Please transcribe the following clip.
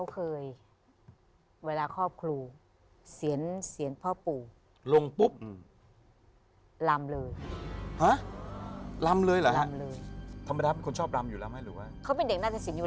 เขาเคยเวลาครอบครูเสียนพ่อปู่